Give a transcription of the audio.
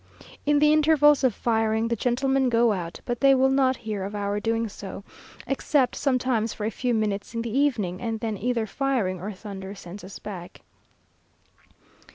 In the intervals of firing the gentlemen go out, but they will not hear of our doing so, except sometimes for a few minutes in the evening, and then either firing or thunder sends us back.